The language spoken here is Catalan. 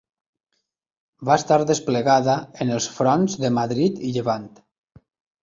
Va estar desplegada en els fronts de Madrid i Llevant.